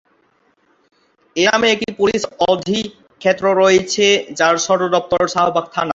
এই নামে একটি পুলিশ অধিক্ষেত্র রয়েছে যার সদর দপ্তর শাহবাগ থানা।